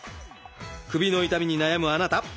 首の痛みに悩むあなた